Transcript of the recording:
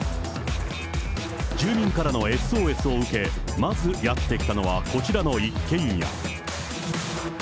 住民からのＳＯＳを受け、まずやって来たのはこちらの一軒家。